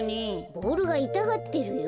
ボールがいたがってるよ。